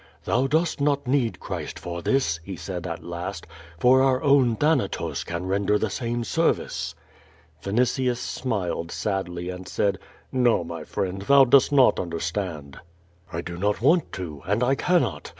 "Thou dost not need Christ for this," he said at last, "for our own Thanatos can render the same service." Yinitius smiled sadly, and said: "No, my friend; thou dost not understand." "I do not want to, and I cannot.